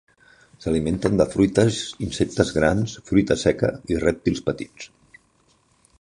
S'alimenten de fruites, insectes grans, fruita seca i rèptils petits.